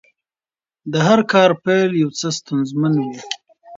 د هر کار پیل یو څه ستونزمن وي.